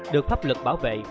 được pháp luật bảo vệ